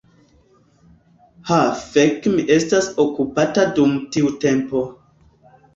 "Ha fek' mi estas okupata dum tiu tempo"